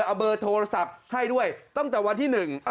เอาเบอร์โทรศัพท์ให้ด้วยตั้งแต่วันที่หนึ่ง